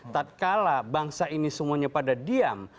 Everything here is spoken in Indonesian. tatkala bangsa ini semuanya pada diam